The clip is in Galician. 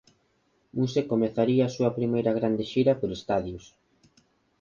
Muse comezaría a súa primeira grande xira por estadios.